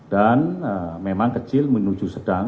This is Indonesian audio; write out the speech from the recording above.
dan memang kecil menuju sedang